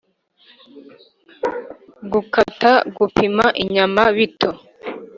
gukata-gupima inyama bito,